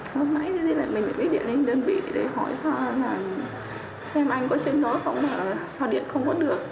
bắt máy thì mình mới điện lên đơn vị để hỏi xem anh có trên đó không sao điện không có được